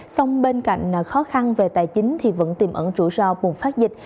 song bên cạnh khó khăn về tài chính thì vẫn tìm ẩn rủi ro buồn phát dịch